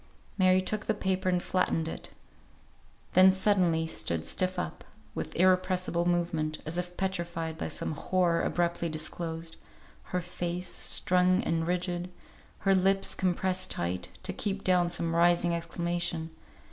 Mary took the paper and flattened it; then suddenly stood stiff up, with irrepressible movement, as if petrified by some horror abruptly disclosed; her face, strung and rigid; her lips compressed tight, to keep down some rising exclamation.